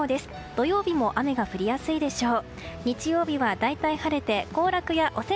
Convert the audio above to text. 土曜日も雨が降りやすいでしょう。